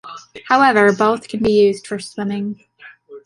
However, both can be used for swimming.